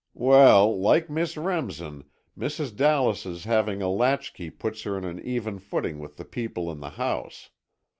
"Well, like Miss Remsen, Mrs. Dallas's having a latchkey puts her on an even footing with the people in the house.